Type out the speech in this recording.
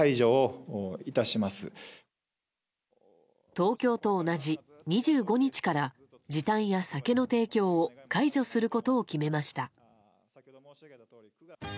東京と同じ２５日から時短や酒の提供を解除することを決めました。